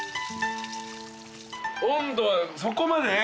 温度はそこまでね